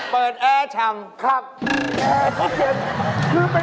เปิดแอร์ชังครับทรงละ